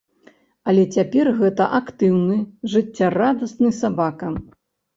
Але цяпер гэта актыўны, жыццярадасны сабака!